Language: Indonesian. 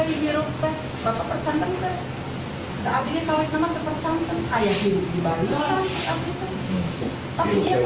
ayah hidup di balik